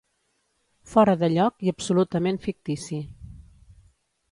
Fora de lloc i absolutament fictici.